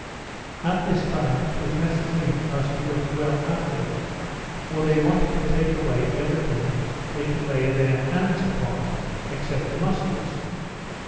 At this time it was necessary for us to look well after them, for they wanted to take away every thing they could lay their hands upon, except the muskets.